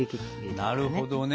なるほどね。